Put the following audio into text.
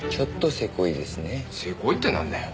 せこいってなんだよ。